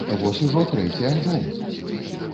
Вось ужо трэці альбом!